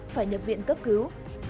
phải nhập viện cấp cứu